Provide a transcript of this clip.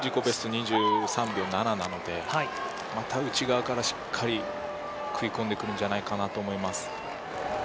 ２３秒７なので内側からしっかり食い込んでくるんじゃないかなと思います。